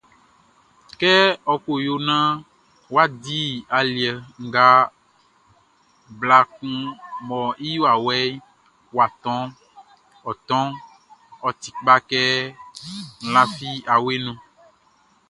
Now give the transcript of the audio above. Kɛ ɔ ko yo naan wʼa di aliɛ nga bla kun mɔ i wawɛʼn wʼa tɔʼn, ɔ tɔnʼn, ɔ ti kpa, kɛ n lafi awe nunʼn.